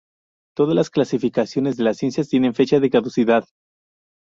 Todas las clasificaciones de las ciencias tienen fecha de caducidad.